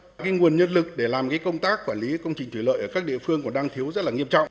các nguồn nhân lực để làm công tác quản lý công trình thủy lợi ở các địa phương còn đang thiếu rất là nghiêm trọng